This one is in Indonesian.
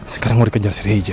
sekarang gue kejar si rija